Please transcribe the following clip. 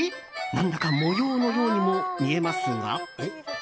何だか模様のようにも見えますが。